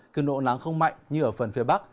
cường độ nắng không mạnh như ở phần phía bắc